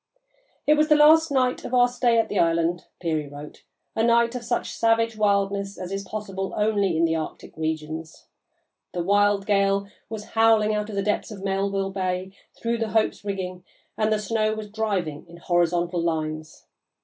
"It was the last night of our stay at the island," Peary wrote, "a night of such savage wildness as is possible only in the Arctic regions.... The wild gale was howling out of the depths of Melville Bay through the Hope's rigging and the snow was driving in horizontal lines.